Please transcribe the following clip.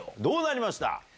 どうなりました？